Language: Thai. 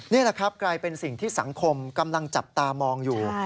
นี่แหละครับกลายเป็นสิ่งที่สังคมกำลังจับตามองอยู่